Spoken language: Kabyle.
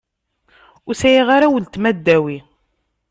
Ur sεiɣ ara uletma ddaw-i.